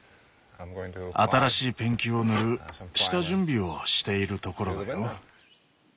新しいペンキを塗る下準備をしているところだよ。